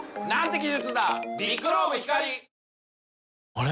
あれ？